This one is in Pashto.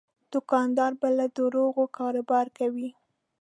دوکاندار بې له دروغو کاروبار کوي.